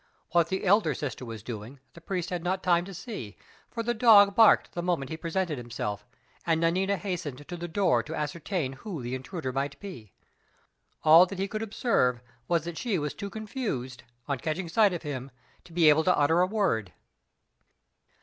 What the elder sister was doing, the priest had not time to see; for the dog barked the moment he presented himself, and Nanina hastened to the door to ascertain who the intruder might be. All that he could observe was that she was too confused, on catching sight of him, to be able to utter a word.